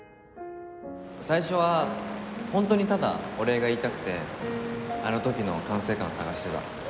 最初は本当にただお礼が言いたくてあの時の管制官を探してた。